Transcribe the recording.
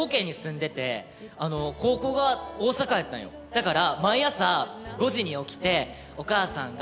だから。